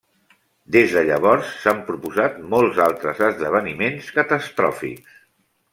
Des de llavors, s'han proposat molts altres esdeveniments catastròfics.